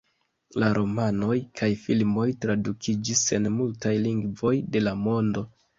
La romanoj kaj filmoj tradukiĝis en multaj lingvoj de la mondo.